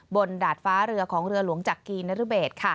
ดาดฟ้าเรือของเรือหลวงจักรีนรเบศ